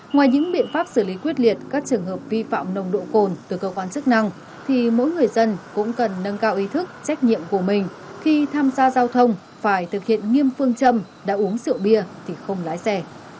ngoài những biện pháp xử lý quyết liệt các trường hợp vi phạm nồng độ cồn từ cơ quan chức năng thì mỗi người dân cũng cần nâng cao ý thức trách nhiệm của mình khi tham gia giao thông phải thực hiện nghiêm phương châm đã uống rượu bia thì không lái xe